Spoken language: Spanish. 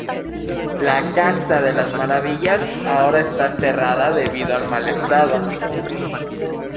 La Casa de las Maravillas ahora está cerrada debido al mal estado.